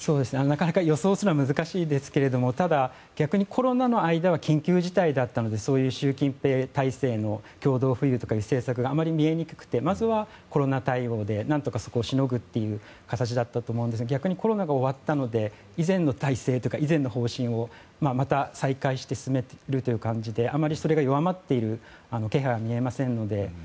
なかなか予想するのは難しいですけどただ、逆にコロナの間は緊急事態だったのでそういう習近平体制の共同富裕という政策があまり見えにくくてまずはコロナ対応で何とかそこをしのぐという形だったと思いますが逆にコロナが終わったので以前の体制というか以前の方針をまた再開して進めるという感じであまりそれが弱まっている気配は見えませんので。